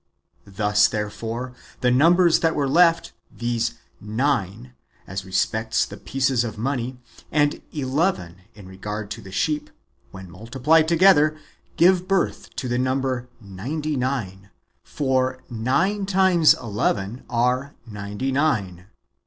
Thus, therefore, the num bers that were left, viz. nine, as respects the pieces of money, and eleven in regard to the sheep,^ when multiplied together, give birth to the number ninety nine, for nine times eleven are ninety nine.